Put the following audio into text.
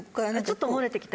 ちょっと漏れてきて。